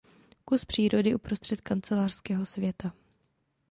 Kus přírody uprostřed kancelářského světa.